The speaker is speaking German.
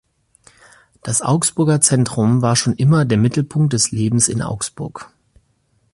Das Augsburger Zentrum war schon immer der Mittelpunkt des Lebens in Augsburg.